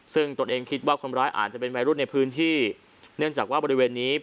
ซึ่งตนเองคิดว่าคนร้ายอาจจะเป็นวัยรุ่นในพื้นที่เนื่องจากว่าบริเวณนี้